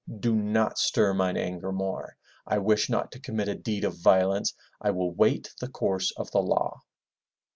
Do not stir mine anger more. I wish not to commit a deed of violence. I will wait the course of the law!'